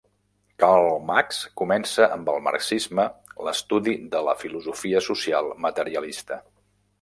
Karl Marx comença, amb el marxisme, l'estudi de la filosofia social materialista.